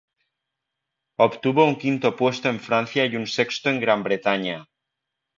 Obtuvo un quinto puesto en Francia y un sexto en Gran Bretaña.